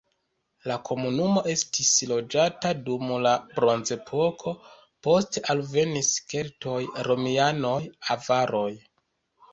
La komunumo estis loĝata dum la bronzepoko, poste alvenis keltoj, romianoj, avaroj.